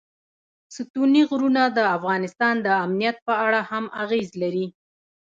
ستوني غرونه د افغانستان د امنیت په اړه هم اغېز لري.